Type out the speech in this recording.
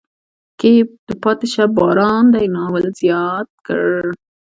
کې یې د پاتې شه باران دی ناول زیات کړ.